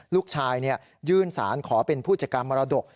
ลูกชายยื่นสารขอเป็นผู้จักรรมรดก